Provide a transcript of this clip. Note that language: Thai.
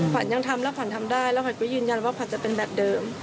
ขวัญยังทำแล้วขวัญทำได้แล้วขวัญก็ยืนยันว่าขวัญจะเป็นแบบเดิม